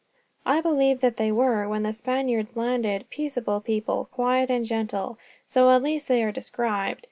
I believe that they were, when the Spaniards landed, peaceable people; quiet and gentle. So at least they are described.